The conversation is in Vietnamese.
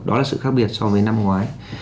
đó là sự khác biệt so với năm ngoái